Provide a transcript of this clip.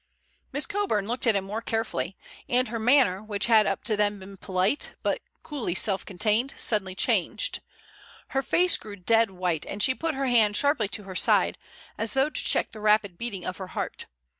Miss Coburn looked at him more carefully, and her manner, which had up to then been polite, but coolly self contained, suddenly changed. Her face grew dead white and she put her hand sharply to her side, as though to check the rapid beating of her heart.